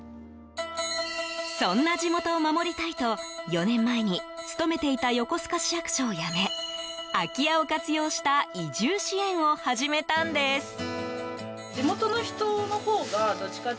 そんな地元を守りたいと４年前に勤めていた横須賀市役所を辞め空き家を活用した移住支援を始めたんです。